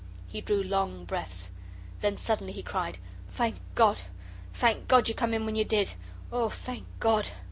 He drew long breaths. Then suddenly he cried, "Thank God, thank God you come in when you did oh, thank God!"